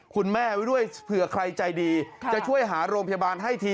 คุณแม่ไว้ด้วยเผื่อใครใจดีจะช่วยหาโรงพยาบาลให้ที